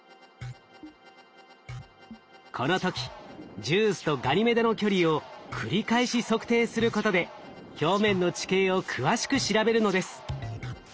この時ＪＵＩＣＥとガニメデの距離を繰り返し測定することで表面の地形を詳しく調べるのです。